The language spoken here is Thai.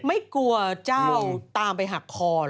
ไม่กลัวเจ้าตามไปหักคอเหรอ